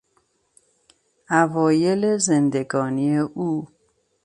اوایل زندگانی او